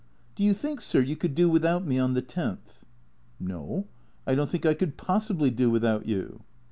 " Do you think, sir, you could do without me on the tenth ?"" No. I don't think I could possibly do without you."